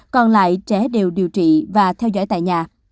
còn lại trẻ đều điều trị và theo dõi tại nhà